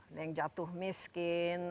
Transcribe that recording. ada yang jatuh miskin